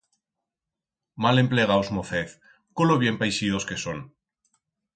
Malemplegaus mocez con lo bien paixidos que son.